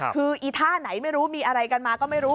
คืออีท่าไหนไม่รู้มีอะไรกันมาก็ไม่รู้